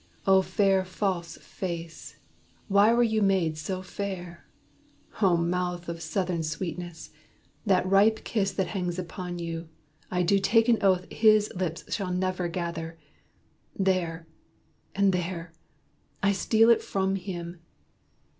O fair false face! Why were you made so fair! O mouth of Southern sweetness! that ripe kiss That hangs upon you, I do take an oath His lips shall never gather. There! and there! I steal it from him.